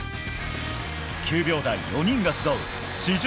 ９秒台４人が集う史上